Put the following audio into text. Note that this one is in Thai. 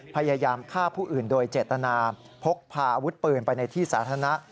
พยายามฆ่าผู้อื่นโดยเจตนาพกพาอาวุธปืนไปในที่สาธารณะ